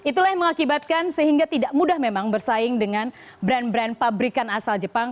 itulah yang mengakibatkan sehingga tidak mudah memang bersaing dengan brand brand pabrikan asal jepang